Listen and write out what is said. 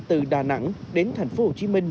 từ đà nẵng đến thành phố hồ chí minh